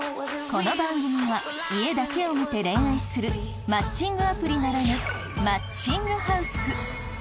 この番組は家だけを見て恋愛するマッチングアプリならぬ「マッチング♥ハウス」。